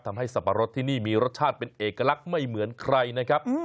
สับปะรดที่นี่มีรสชาติเป็นเอกลักษณ์ไม่เหมือนใครนะครับ